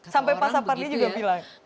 sampai pak sapardi juga bilang